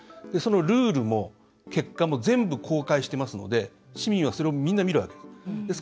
ルールも結果も全部公開してますので市民はそれをみんな見るわけです。